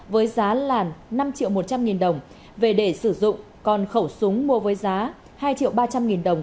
với giá là năm triệu một trăm linh nghìn đồng về để sử dụng con khẩu súng mua với giá hai triệu ba trăm linh nghìn đồng